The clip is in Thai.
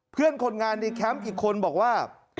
เพื่อนคนงานในแคมป์อีกคนบอกว่า